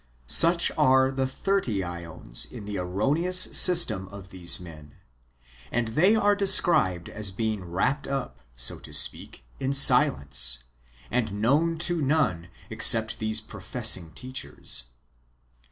Such are the thirty ^ons in the erroneous system of these men; and they are described as being wrapped up, so to speak, in silence, and known to none [except these pro fessing teachers].